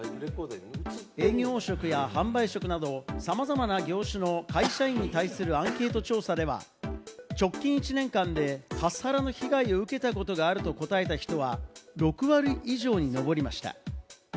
営業職や販売職など、さまざまな業種の会社員に対するアンケート調査では、直近１年間でカスハラの被害を受けたことがあると答えた人は、６割以上にのぼりました。